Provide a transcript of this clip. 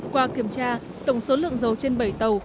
qua kiểm tra tổng số lượng dầu trên bảy tàu